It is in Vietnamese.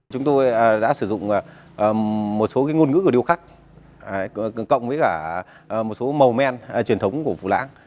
chúng tôi đã sử dụng một số ngôn ngữ của điêu khắc cộng với cả một số màu men truyền thống của phù lãng